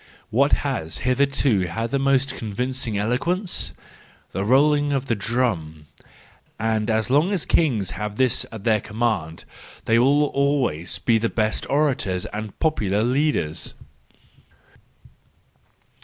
—What has hitherto had the most convincing eloquence? The rolling of the drum: and as long as kings have this at their command, they will always be the best orators and popular leaders.